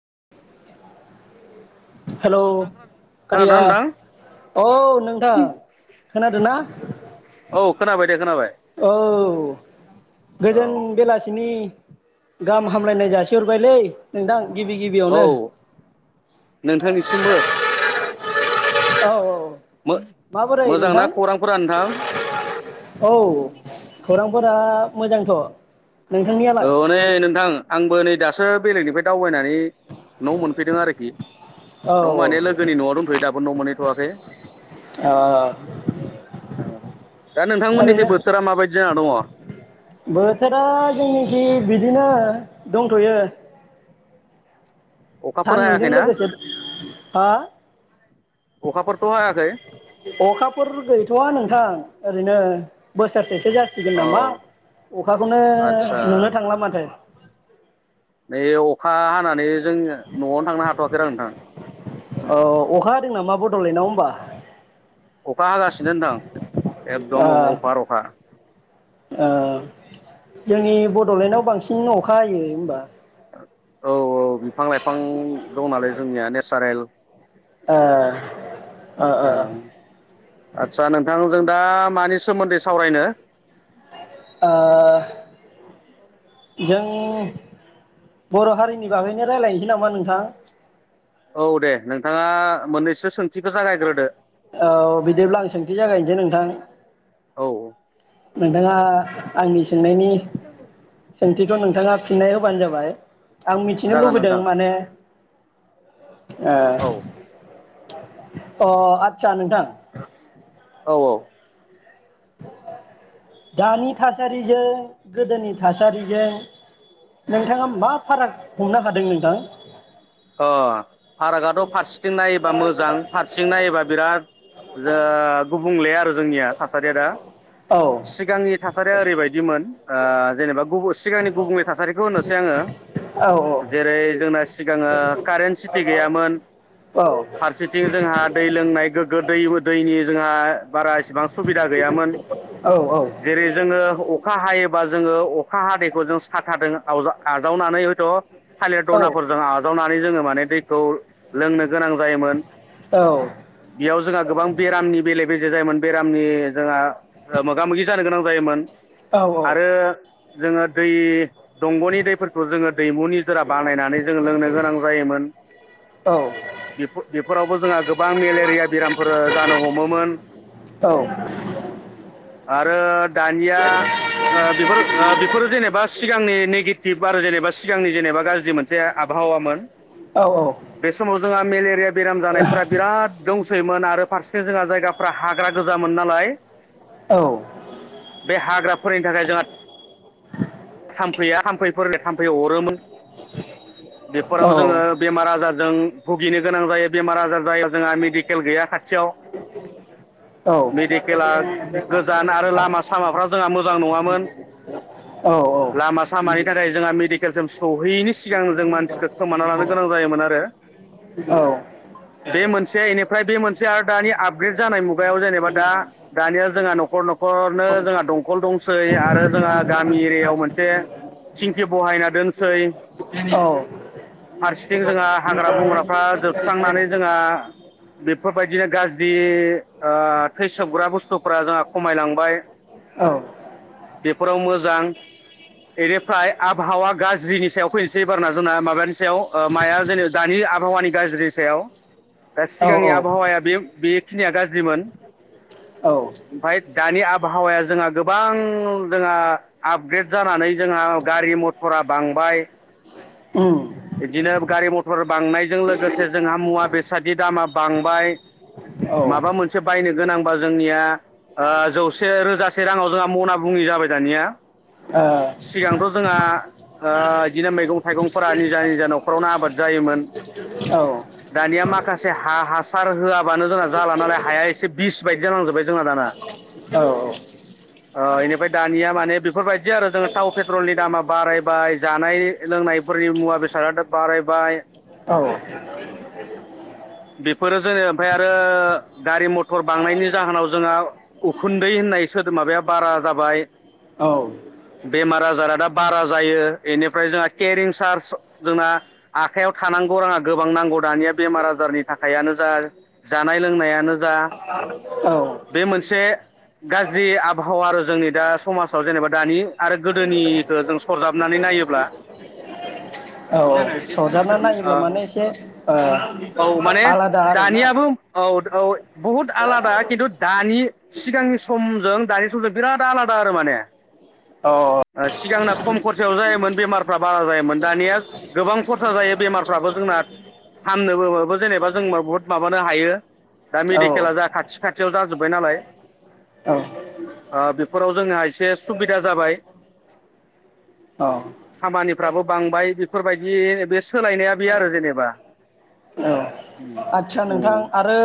[inaudible] अ hello नोंथां खोनादों कारिया खोनादोंना नोंथां औ नोंथां खोनादों ना? औ खोनाबाय दे खोनाबाय औ गोजोन औ बेलासि नि गाहाम हामलायनाय जासिहरबायलै नोंथां। गिबि औ गिबियावनो नोंथांनिसिमबो। औ औ। माबोरै मोजांना नोंथां खौरांफोरा नोंथां औ। खौरांफोरा मोजांथ'। नोंथांनियालाय औ नै नोंथां आंबो नै दास सो बेलेगनिफ्राय दावबायनानै न' मोनफैदों आरोखि औ न' माने लोगोनि न'आव दंथ'यो दाबो न' मोनहैथ'वाखै ओ दा नोंथांमोननिखै ओरैनो बोथोरा माबायदि जाना दङ? थिं बिदिनो दंथ'यो। अखाफोर सानदुंजों हायाखैना लोगोसे हा अखाफोरथ' हायाखै अखाफोर गैथ'वा नोंथां। ओरैनो बोसोरसे जासिगोन औ नामा अखाखौनो आदसा नुनो थांला माथो। नै अखा हानानै जों न'आवनो थांनो हाथ'वाखैरा नोंथां। औ अखा हादों नामा बड'लेण्डआव होमबा? अखा हागासिनो नोंथां। एकदम ओ अफार अखा। ओ जोंनि बड'लेण्डआव बांसिन सिन अखा हायो होमबा? औ औ बिफां लाइफां दं नालाय। जोंनिया नेचारेल। ओ ओ ओ ओं आचसा नोंथां जों दा मानि सोमोन्दै सावरायनो? ओ जों बर' हारिनि बागैनो रायलायनोसै नामा नोंथां? औ दे नोंथांङा मोन्नैसो सोंथिखौ जागायग्रोदो। औ बिदिब्ला आं सोंथि जागायनोसै नोंथां। औ। नोंथाङा आंनि सोंनायनि सोंथिखौ नोंथांङा फिननाय होबानो जाबाय। आं मिथिनो जागोन लुबैदों नोंथां माने औ ओ अ आदसा नोंथां औ औ। दानि थासारिजों गोदोनि थासारिजों नोंथांङा मा फाराग हमनो हादों नोंथां? अ फारागआथ' फारसेथिं नायोबा मोजां फारसेथिं नायोबा बिराद जो गुबुंले आरो जोंनिया थासा रिया दा औ सिगांनि थासारिया ओरैबायदिमोन ओ जेनेबा गुबु सिगांनि गुबुंले थासारिखौ होनोसै आङो औ जेरै जोंना सि गाङो कारेन्ट सिटि गैयामोन औ फारसेथिं जोंहा दै लोंनाय गोग्गो दैबो दैनि जोंहा हा बारा बां सुबिदा गैयामोन औ जेरै जोङो अखा हायो बा जोङो अखा हादैखौ जों साथाजों आवजा आजावनानै हयथ' थालिर औ दनाफोरजों आज नानै माने जों दैखौ लोंनो गोनां जायोमोन औ बेयाव जोंहा गोबां बेरामनि बेले बेजे जे जायोमोन बेरामनि जोंहा ओ मोगा मोगि जानो गोनां जायोमोन औ आरो जोङो दै दंग'नि दैफोरखौ जोङो दैमु निजोरा बानायनानै जोङो गोनां जायोमोन बेफो-बेफोरावबो जोंहा गोबां मेलेरिया बेरामफोर जानो हमोमोन। औ आरो दानिया ओ बेफोर ओ बेफोरो जेनेबा सिगांनि नेगेटिभ आरो जेनेबा सिगांनि जेनेबा गाज्रि मोनसे आ आबहावामोन। औ औ बे समाव जोंहा मेलेरिया बेराम जानायफोरा बिराद दंसोयोमोन आरो फारसे जोंहा जायगाफ्रा हाग्रा गोजामोन नालाय। औ। बे हाग्राफोरनि थाखाय जोंहा [inaudible] थाम्फैया थाम्फैफोर थाम्फै अरोमोन। बेफोराव जोङो बेमार आजार जों भुगिनो गोनां जायो बेमार आजार जायो जोंहा मेडिकेल गैया खाथियाव। मेडिकेला गोजान आरो लामा सामाफ्रा जोंहा मोजां नङामोन लामा सामानि थाखाय जोंहा मेडिकेलसिम सौहैयैनि सि [unintelligible] जों मानसिखो खोमाना लानो गोनां जायोमोन आरो बे बे मोनसे एनिफ्राय बे मोनसे आरो दानि आपग्रेड जानाय मुगायाव जेनेबा दा दानिया जोंहा न'खर न'खरनो जोंहा दंखल दंसै आरो जोंहा गामि एरियायाव मोनसे थिंखि बहायना दोनसै। औ। फारसेथिं जोंहा हाग्रा बंग्राफ्रा जोब स्रांनानै जोंहा बेफोरबायदिनो गाज्रि ओ थैसोबग्रा बुस्थुफ्रा जोंहा खमाय लांबाय। औ। बेफोराव मोजां बेनिफ्राय आबहावा गाज्रिनि सायाव फैनोसै एबारना जोंना माबानि सायाव ओ माया जेनोबा दानि आबहावानि गाज्रिनि सायाव। दा सिगांनि आबहावाया बे बे खिनिया गाज्रिमोन। औ ओमफ्राय दानि आबहावाया जोंहा गोबां जोंहा आपग्रेड जानानै जोंहा गारि मथरा बांबाय। उम बिदिनो गारि मथर बांनायजों लोगोसे जोंहा मुवा बेसादनि दामा बांबाय औ ओ माबा मोनसे बायनो गोनांबा जोंनिया ओ जौसे रोजासे राङाव जोंहा मना बुंङै जाबाय दानिया औ सिगांथ' जोंहा ओ बिदिनो मैगं थाइगंफोरा निजा निजा न'खरावनो आबाद जायोमोन दानिया माखासे हा हासार होआबानो जोंना जाला नालाय हाया एसे बिस बायदि जानांजोबबाय जोंना दाना ओ इनिफ्राय दानिया माने बेफोरबायदि आरो जों थाव पेट्रलनि दामा बारायबाय जानाय। औ लोंनायफोरनि मुवा औ बेसाद केरिं सार्ज जोंना आखाइयाव थानांगौ राङा गोबां नांगौ दानिया बेमार आजारनि थाखायानो जा जानाय लोंनायानो जा औ बे मोनसे गाज्रि आबहावा आरो जोंनि दा समाजाव जेनेबा दानि आरो गोदोनिखो जों सरजाबनानै नायोब्ला । औ सरजाबना नायोब्ला माने एसे ओ औ माने आलादा आरोना बहुत आलादा खिथु दानि सिगांनि समजों दानि समजों बिराद आलादा आरो माने औ ओ‌ सिगांना खम खरसायाव जायोमोन बेमार फ्रा बारा जायोमोन दानिया गोबां खरसा जायो बेमारफ्राबो जोंना हामनोबो जेनेबा जों बहुत माबानो हायो दा औ मेडिकेला जा खाथि खाथियाव जाजोब्बाय नालाय ओ बेफोराव जोंहा एसे सुबिदा जाबाय औ खामानिफ्राबो बांबाय बेफोरबायदि बे सोलायनाया बे आरो जेनेबा औ आदसा नोंथां आरो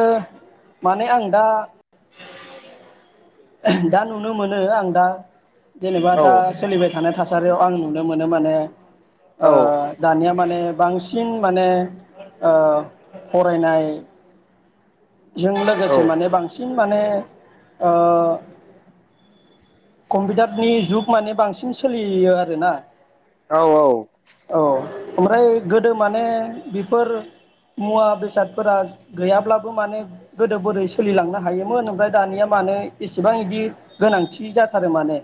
माने आं दा [inaudible] दा नुनो मोनो आं दा जेनेबा औ औ दा सोलिबाय थानाय थासारियाव आं नुनो मोनो माने ओ औ दानिया माने बांसिन माने ओ फरायनाय जों लोगोसे औ माने बांसिन माने ओ कम्पिउटारनि जुग माने बांसिन सोलियो आरोना औ औ औ ओमफ्राय गोदो माने बेफोर मुवा बेसादफोरा गैयाब्ला बो माने गोदो बोरै सोलिलांनो हायोमोन ओमफ्राय दानिया मानोे इसेबां बिदि गोनांथि जाथारो माने?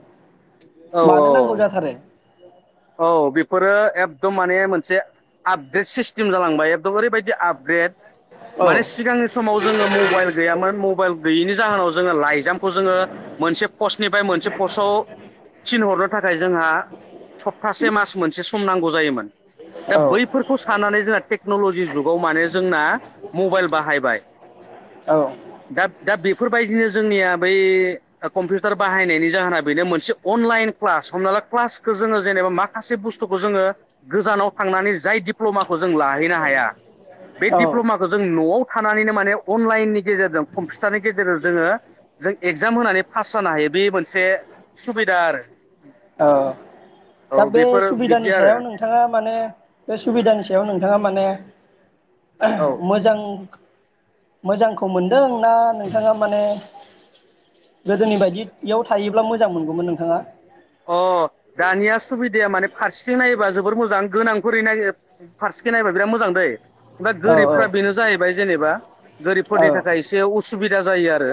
औ मानो नांगौ औ जाथारो? [inaudible] औ बेफोरो एकदम माने मोनसे आपग्रेड सिस्टेम जालांबाय एकदम ओरैबायदि आपग्रेड औ माने सिगांनि समाव जोंङो मबाइल गैयामोन मबाइल गैनि जाहोनाव जोंङो लाइजाम खौ जोंङो मोनसे पस्टनिफ्राय मोनसे पस्टआव थिनहरनो थाखाय जोंहा सप्तासे मास मोनसे सम नांगौ जायोमोन दा औ बैफोरखौ साननानै जोंना टेक्नलजि जुगाव माने जोंना मबाइल बाहायबाय औ दा दा बेफोरबायदिनो जोंनिया बै कम्पिउटार बाहायनायनि जाहोना बेनो मोनसे अनलाइन क्लास हमना ला क्लास खो जोंङो जेनेबा माखासे बुस्थुखौ जोंङो गोजानाव थांनानै जाय दिडप्ल'माखो खौ जों लाहैनो हाया बे औ दिप्लमाखो जों न'आव थानानैनो माने अनलाइननि गेजेरजों कम्पि टारनि गेजेर जोंङो जों एगजाम होनानै फास जानो हायो बे मोनसे सुबिदा आरो औ दा औ बे बेफोर बिदि सुबिदानि आरो सायाव नोंथांङा माने बे सुबिदानि सायाव नों नोंथांङा माने औ मोजां मोजांखौ मोनदों ना नोंथांङा माने गोदोनि बायदि। इयाव थायोब्ला मोजां मोनगौमोन नोंथाङा। अ दानिया सुबिदाया माने। फारसिथिं नायोबा जोबोर मोजां गोनां। बोरै नायो फारसेखै नायबा बिराद मोजां दै। ओमफाय औ गोरिबफ्रा बेनो जाहैबाय जेनेबा औ गोरिबफोरनि थाखाय एसे उसुबिदा जायो आरो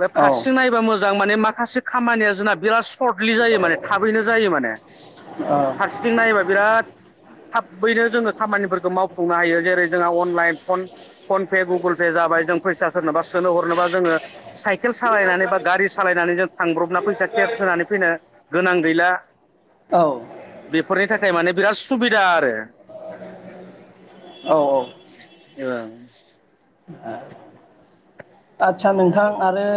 बे औ औ फारसेसिं नायोबा मोज मोजां माने माखासे खामानिया जोंना बिराद सर्ट। लि जायो माने थाबैनो जायो माने औ फारसेथिं नायोबा बिराद। थाबैनो जोङो खामानिफोरखौ माव हायो जेरै जोंहा online phone-phone Pay Google Pay जाबाय जों फैसा सोरनोबा सो। सोना हरनोबा जोङो। साइकेल सालायनानै बा गारि सालायनानै जों थांब्रबना फैसा केस होनानै। फैनो गोनां गैला औ बेफोरनि थाखाय माने बिराद सुबि दा आरो। औ औ। ओं। ओं। आदसा नोंथां आरो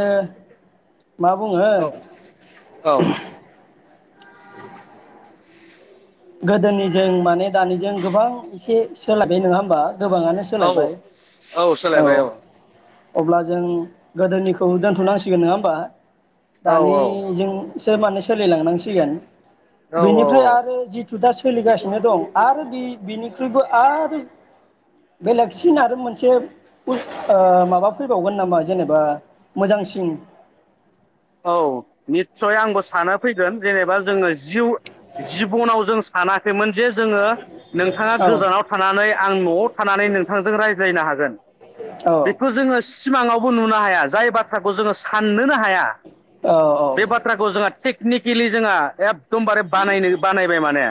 मा बुङो औ औ। [unintelligible] गोदोनिजों माने दानिजों गोबां एसे सोलायबाय नोङा होमबा। गोबाङानो औ सोलायबाय औ सोलायबाय औ। अब्ला जों गोदोनिखौ दोनथ'नांसिगोन नोङा ओमबा। औ दानिजों। बिसोर माने सोलिलांनांसिगोन। औ औ बिनिफ्राय औ आरो जिद। दा सोलिगासिनो दं आरो बि-बिनिख्रुइबो आरो बेलेगसिन आरो मोनसे बुस-ओयो माबा फैबावगोन नामा जेनेबा मोजांसिन? औ निस्सय आंबो सानो फैगोन जेनेबा जोङो जिउ। जिबनाव जों स। सानाखैमोन जे जोङो। नोंथाङा औ गोजानाव थानानै आं नआव थानानै नोंथांजों रायज। बुजायनो हागोन। औ बिखौ जोङो सि। सिमाङावबो नुनो हाया जाय बाथ्राखौ जोङो साननोनो हाया औ बे औ बाथ्राखौ जोंहा टेकनिकेलि जोंहा एक एखदमबारे बानायनो बानायबाय माने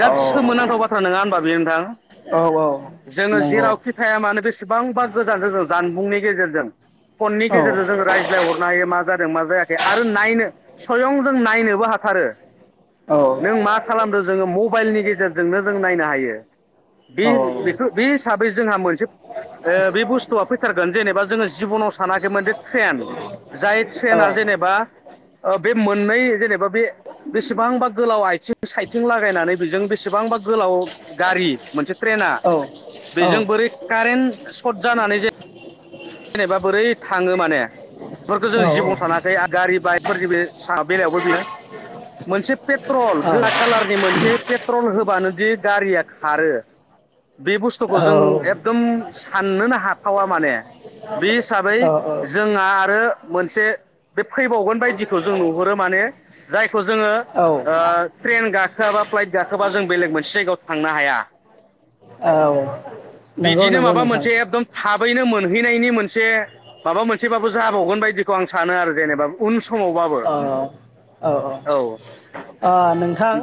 औ सोमोनांथाव बाथ्रा नोङा होनबा बेयो नोंथां औ औ जोङो नंगौ जेरावखि थाया मानो बेसेबांबा गोजान जों जानबुंनि गेजेरजों फननि औ गेजेरजों जोङो रायज्लायहरनो हायो मा जा जों मा जायाखै आरो नायनो सयं जों नायनोबो हाथारो औ नों मा खालामदो जोङो म बाइलनि गेजेरजोंनो जों नायनो हायो ओ औ । बे बे हिसाबै जोंहा मोनसे ओ बे बुस्थुआ फैथारगोन जेनेबा जोङो जिब'नाव सानाखै मोनसे ट्रेन जाय औ ट्रेनआ जेनेबा ओ बे मोननै जेनेबा बे बेसेबांबा गोलाव आयथिं साइतजों लागायनानै बेजों बेसेबांबा गोलाव गारि मोनसे ट्रेना औ बेजों बोरै कारेन्ट सट जानानै जे जेनेबा बोरै थाङो माने बेफोरखो जों जिबनआव सानाखै आरो गारि बाइकफोरनि बे बेलायावबो बेनो । मोनसे पेट्रल गोजा कालारनि मोनसे पेट्रल होबानो दि गारिया खारो बे बुस्थुखौ जों एकदम साननोनो हाथावा माने बे हिसाबै औ जोंहा आरो मोनसे बे फैबावगोन बायदिखौ जों नुहुरो माने जाय खौ जोङो औ ओ ट्रेन गाखोआबा फ्लाइट गाखोबा जों बेलेग मोनसे जायगायाव थांनो हाया औ नंगौ बिदिनो नंगौ माबा नोंथां मोनसे एकदम थाब बैनो मोनहैनायनि मोन मोनसे माबा मोनसेबाबो जाबावगोन बायदिखौ आं सानो आरो जेनेबा उन समावबाबो औ औ औ औ ओ नोंथां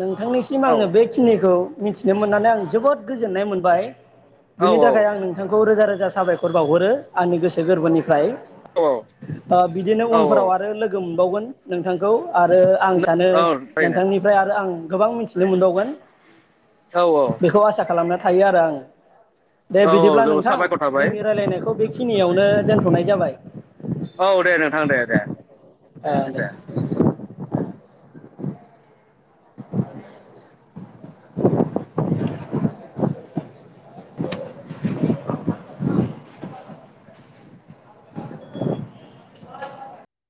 नोंथांनिसिम औ आङो बेखिनिखौ मिथिनो मोननानै आं जोबोद गोजोननाय मोनबाय । औ बिनि थाखाय आं नोंथांखौ रोजा रो जा साबायखर बावहरो आंनि गोसो गोरबोनिफ्राय ओ बिदिनो औ उनफोराव आरो लोगो बावगोन नोंथांखौ आरो आं सानो औ थारैनो नोंथांनिफ्राय आरो आं गोबां मिथिनो मोनबावगोन औ बेखौ आसा खालामनानै थायो आरो आं । दे औ बिदिब्ला जोबोद नोंथां साबायखर थाबाय जोंनि रायलायनायखौ बेखिनियावनो दोनथ'नाय जाबाय औ दे नोंथां दे दे दे । [unintelligible] [unintelligible]